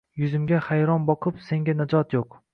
Yuzimga hayron boqib senga najot yo’q